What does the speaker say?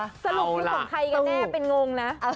สรุปคือของใครกันแน่เป็นงงนะ